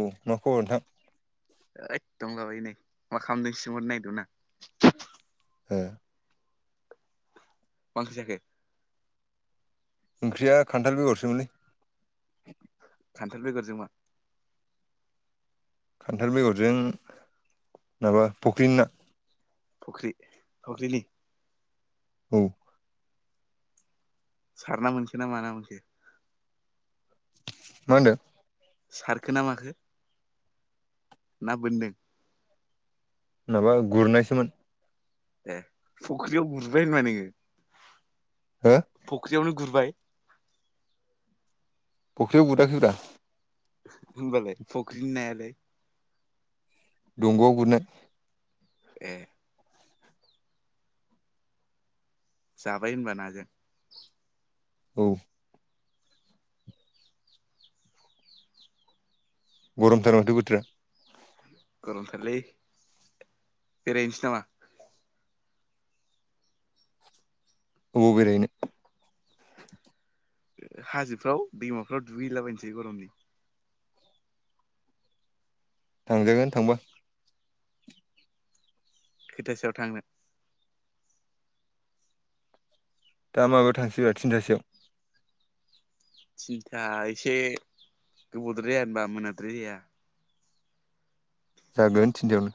औ मा खबर नोंथां? ऐद दंला बायो नै, मा खालामदोंसो सोंहरनो नायगिरदोंमोन आं। ओ। मा ओंख्रि जाखो? ओंख्रिया खान्थाल बेगर सोमोनलै। खान्थाल बेगरजों मा? खान्थाल बेगरजों माबा फुख्रिनि ना। फख्रि फख्रिनि? औ। सारना मोनखोना माना मोनखो? मा होनदों? सारखो ना माखो? ना बोनदों? माबा गुरनायसोमोन। ए फख्रियाव गुरबाय होनबा नोङो हो फख्रियावनो गुरबाय? फख्रियाव गुराखैब्रा होमबालाय फुख्रिनि नायालाय? दंगआव गुरनो ए। जाबाय होनबा नाजों? औ। गरमथार माथो बोथोरा गरमथारलै बेरायहैनोसै नामा? अबाव बेरायहैनो? हाजोफ्राव दैमाफ्राव दुगैलाबायनोसै गरमनि। थांजागोन थांबा। खैथासोयाव थांनो? दा माबायाव थांसैब्रा थिनथासोआव। थिनथा एसे गोबावद्राय जाया होनबा मोनाद्राय जाया? जागोन थिनथायावनो।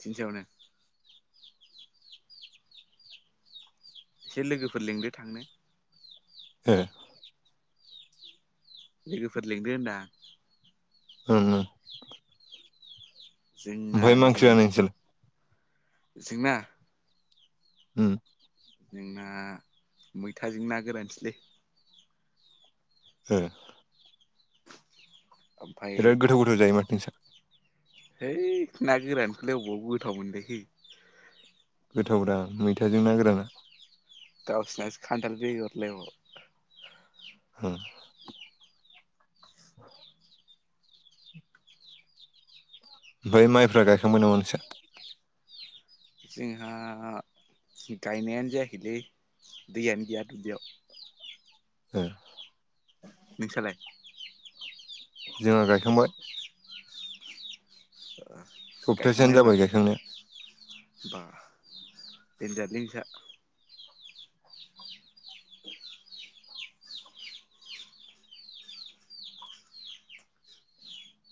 थिनथायावनो? एसे लोगोफोर लिंदो थांनो हो? लोगोफोर लिंदो होनदां ओम। जोंना ओमफाय मा ओंख्रि नै जाया नोंस्रालाय? जोंना? ओम। जोंना मैथाजों ना गोरानसोलै। ए ओमफ्राय बिराद गोथाव गोथाव जायो माथो नोंसा? है ना गोरानखौलाय अबाव गोथाव मोनलायखो गोथाव ब्रा मैथाजों ना गोराना गावसिनासो खानथाल बेगर लायबाव [inaudible] ओमफ्राय माइफ्रा गायखांबाय नाम नोंसा जोंंहा गायनायानो जायाखैलै दैयानो गैया दुबलियाव ह [unintelligible] नोंस्रालाय जोंहा गायखांबाय सप्तासेयानो गायखांबाय होनबा जाबाय गायखांनाया बा देन्जादलै नोंसा। [inaudible]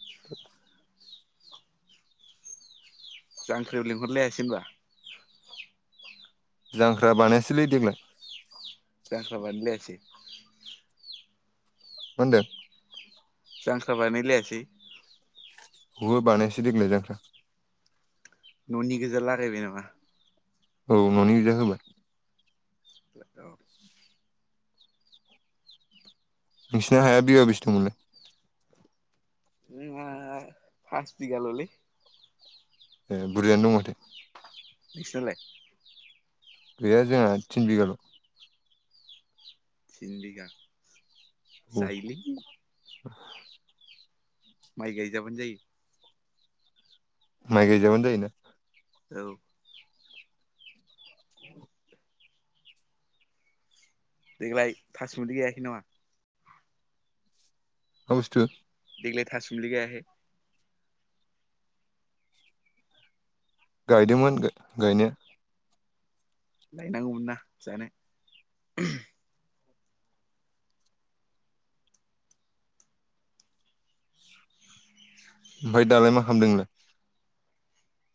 [inaudible] जांख्रियाव लिंहरलायासै होनबा। जांख्रा बानायासैलै देग्लाय। जाख्रां बानायलायासै। मोनदो। जांख्रा बानायलायासै। हु बानायासो देग्लाय जांख्रा। न'नि गोजा लागायबाय नामा? औ न'नि गोजा होबाय। [inaudible] नोंसिना हाया बिगा बेसे दंमोनलै। फारस बिगा ललै। ए बुरजायानो दं माथो। नोसिनालाय। गैया जोंहा थिन बिगा ल। थिन बिगा औ जायो लै। [inaudible] माय गायजाबोन जायो। माइ गाय जाबानो जायोना। औ। [inaudible] देग्लाय थासुमलि गायाखै नामा? हसुतु। देग्लाय थासुमलि गायाखै। गायदोंमोन गा गायनाया। गायनांगौमोन ना जानो। ओमफ्राय दालाय मा खालामदों नोंलाय।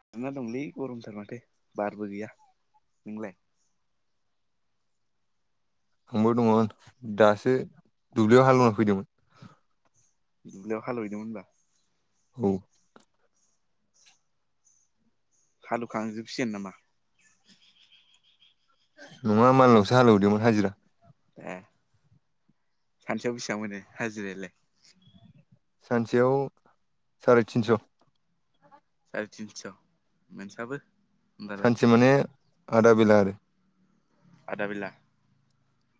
जना दोंलै गरमथार माथो बारबो गैया नोंलाय। आंबो दङमोन दासो दुब्लियाव हालेवना फैदोंमोन। दुब्लियाव हालवहैदोंमोन होनबा। औ। हालुखांजोबसिगोन नामा? नङा मालनावसो हालेवदोंमोन हाजिरा। ए सानसेयाव बेसेबां मोनो हाजिरायालाय। सानसेयाव साराय तिनस'। साराय तिनस' मोनसाबो। होमबालाय सानसे माने आदा बेला आरो। आदा बेला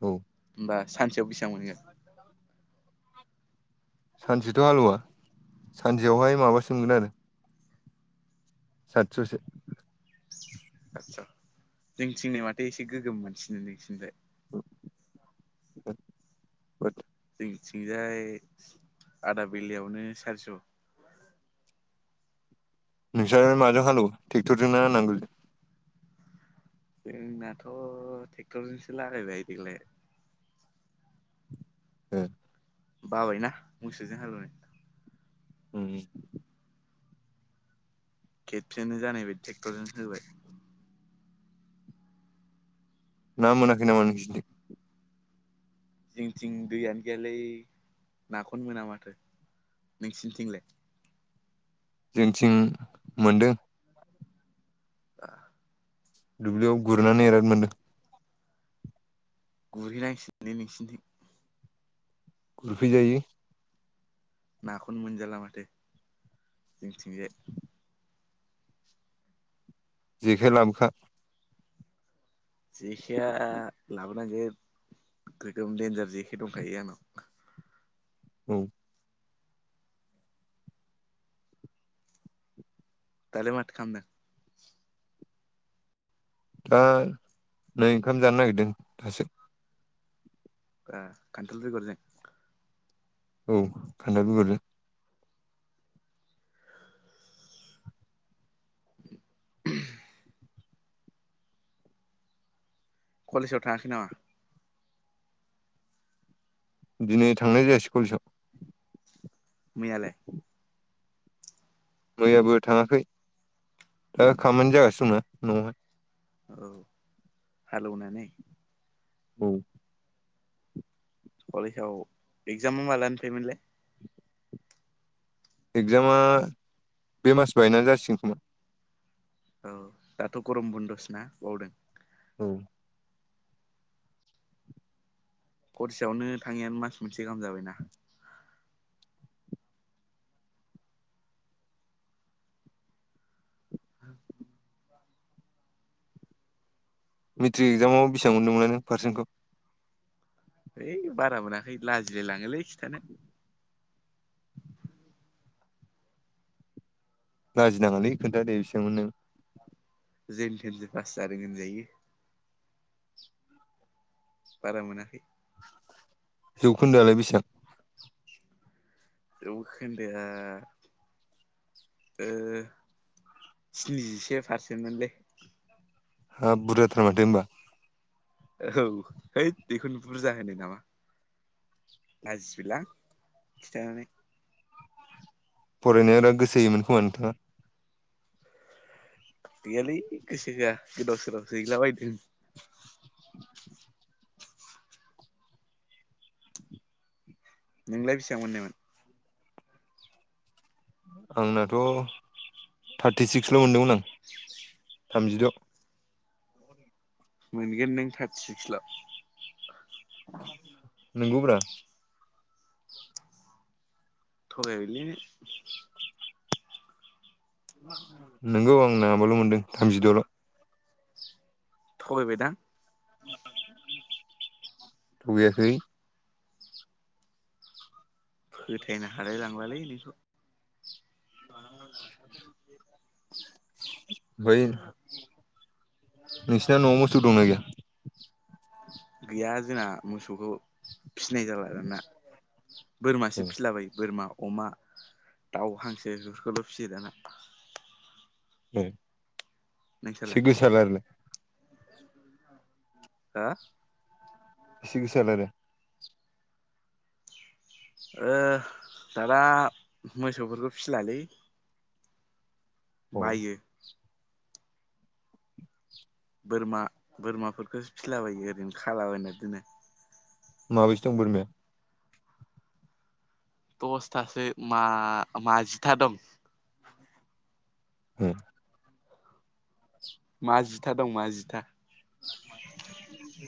औ होमबा सानसेयाव बेसेबां मोनहैगोन? सानसेथ' हालेवा सानसेयावहाय माबासो मोनो आरो। सातस'सो। आतसा जोंनिथिं माथो एसे गोगोम मोनसिनो नोंसिनिफाय [inaudible] जोंनिथिंजाय आदाबेलायावनो सारिस'। नोंसालाय माजों हालेवो ट्रेक्टरजोंना नांगोल जों। जोंनाथ' ट्रेक्टरजोंसो लागायबाय देग्लाय। ए बाबायना मोसौजों हालौवनो ओम खेबसेनो जानायबायदि ट्रेक्टरजों होबाय ना मोनाखै नामा नोंसिनिजों जोंनिथिं दैयानो गैयालै नाखौनो मोना माथो नोंसिनिथिंलाय जोंनिथिं मोनदों [inaudible] दुब्लियाव गुरनानै एराद मोनदों गुरहैनांसिगोन नोंसिनिथिं गुरफैजायो नाखौनो मोनजाला माथो जोंनिथिंजाय जेखाइ लाबोफा जेखाया ला गोगोम देनजार जेखाइ दंखायो आंनाव औ दालाय माथो खालामदों दा नै ओंखाम जानो नागिरदों दासो आ खान्थाल बेगर जों औ खानथाल बेगर जों कलेजाव थाङाखै नामा? दिनै थांनाय जायासै कलेसआव मैयालाय मैयाबो थाङाखै दा खामानि जागासिनो दंना न'आवहाय औ हालौनानै औ कलेजाव एगजामा मालानिफाय मोनलाय एगजामा बे मास बायनानै जासिगोन खोमा औ दाथ' गरम बन्दसो ना बावदों औ गरसेयावनो थाङैया मास मोनसे गाहाम जाबायना [inaudible] मेट्रिक एक्जामाव बेसेबां मोन्दोंमोनलाय नों पारसेन्टखौ हैइ बारा मोनाखै लाजिलाय लाङोलै खिथानो लाजिनाङालै खोन्थादे बेसेबां मोनदों जेन थेनसो पास जादों होनजायो बारा मोनाखै जौखोन्दोआलाय बेसेबां जौखोन्दो आ ओ स्निजिसे पारसेन्टमोनलै। हाब बुरजा थार माथो होमबा ओहौ है बेखौनो बुरजा होनो नामा लाजिबाय लां खिथानानै फरायनाया ना गोसो होयोमोन खोमा नोंथाङा गैयालै गोसो होआ गोदाव सोरावसो हैलाबायदों नोंलाय बेसेबां मोननायमोन आंनाथ' थार्टिसिक्सल' मोनदोंमोन आं थामजिद' मोनगोन नों थार्टिसिक्सल' नोंगौब्रा थगायबाय लै नोंगौ आं माबाल' मोनदों थामजिद'ल'। थगायबायदां? थगैयाखै। फोथायनो हालाय लांलालै नोंखौ। बै नोंसिना न'आव मोसौ दंना गैया? गैया जोंना। मोसौखौ फिसिनाय जाला आरोना ए बोरमासो फिसिलाबायो बोरमा। अमा दाउ हांसो बेफोरखौल' फिसियो दाना। नोंसालाय सिगसालाराल हा सिगिसल आरो दाना मोसौफोरखौ फिसिलालै अ बायो। बोरमा बोरमाफोरखौसो फिलाबायो ओरैनो खालाबायना दोनो। माबैसो दं बोरमाया? दसथासो मा माजिथा दं। ए मा जिथा दं मा जिथा।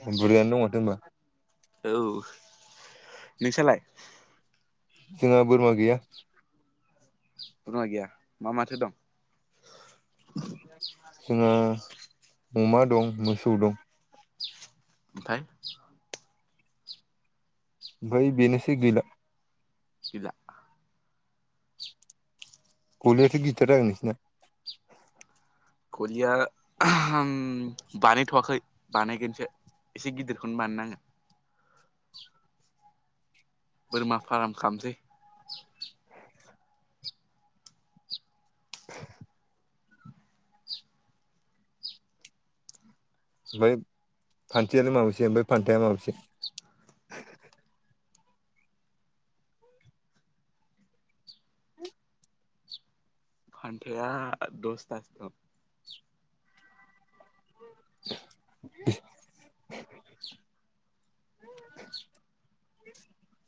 बुरजायानो दङथ' होनबा। औ नोंसालाय? जोंहा बोरमा गैया। बोरमा गैया मा माथो दं? जोंहा अमा दं मोसौ दं। ओमफ्राय ओमफ्राय बेनोसै गैला। गैला। गलियाथ' गिदिरथार जागोन नोंसिना। गलाया बानायथ'वाखै। बानायगोनसो एसे गिदिरखौनो बानाय नांगोन। बोरमा फार्म खालामसै। ओमफ्राय फान्थियालाय माबैसे ओमफ्राय फान्थायालाय माबैसे? फानथया दस्तासो दं। [inaudible]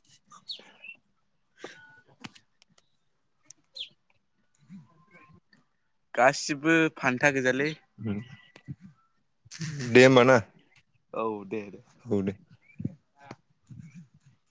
[inaudible] गासिबो फान्था गोजालै। दे होमबा ना। औ दे दे। औ दे [inaudible]